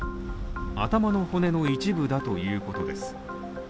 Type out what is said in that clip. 頭の骨の一部だということです。